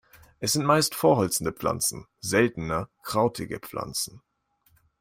Es sind meist verholzende Pflanzen, seltener krautige Pflanzen.